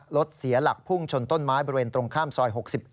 รถเสียหลักพุ่งชนต้นไม้บริเวณตรงข้ามซอย๖๗